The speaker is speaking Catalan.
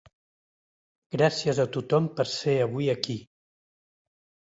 Gràcies a tothom per ser avui aquí.